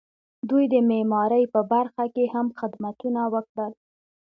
دوی د معمارۍ په برخه کې هم خدمتونه وکړل.